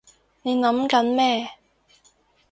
你諗緊咩？